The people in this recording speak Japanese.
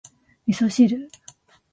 味噌汁